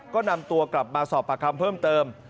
ก็นำตัวกลับมาสอบประคำเพิ่มเติม